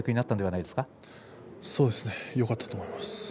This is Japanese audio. そうですねよかったと思います。